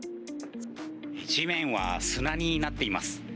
地面は砂になっています。